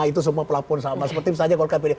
itu semua pelabun sama seperti misalnya golkar pd